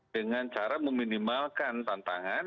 dengan cara meminimalkan tantangan